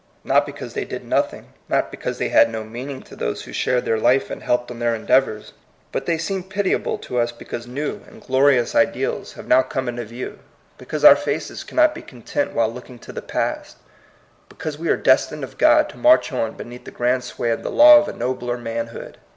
Not because they did nothing, not because they had no meaning to those who shared their life and helped on their endeavors. But they seem pitiable to us because new and glo 72 THS COMING PEOPLE. rious ideals have now come into view, because our faces cannot be content while looking to the past, because we are des tined of God to march on beneath the grand sway of the law of a nobler man hood.